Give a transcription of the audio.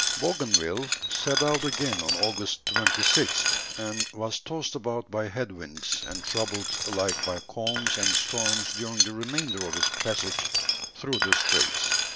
Bougainville set out again on August 26th, and was tossed about by head winds, and troubled alike by calms and storms during the remainder of his passage through the straits.